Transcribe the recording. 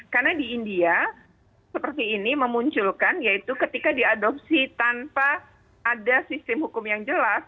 karena di india seperti ini memunculkan yaitu ketika diadopsi tanpa ada sistem hukum yang jelas